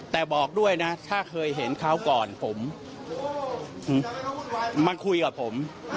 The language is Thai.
แต่บอกด้วยนะถ้าเคยเห็นคราวก่อนผมมาคุยกับผม